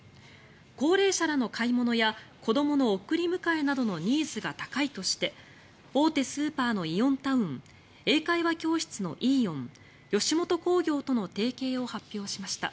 高齢者らの買い物や子どもの送り迎えなどのニーズが高いとして大手スーパーのイオンタウン英会話教室のイーオン吉本興業との提携を発表しました。